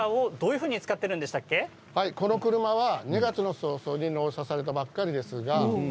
この車は２月早々に納車されたばかりです。